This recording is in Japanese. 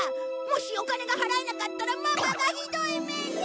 もしお金が払えなかったらママがひどい目に。